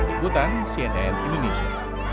ikutan cnn indonesia